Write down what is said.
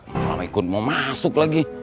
malam ikut mau masuk lagi